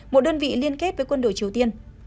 một đơn vị liên kết với quân đội triều tiên